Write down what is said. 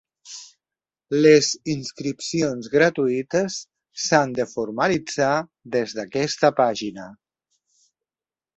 Les inscripcions gratuïtes s’han de formalitzar des d’aquesta pàgina.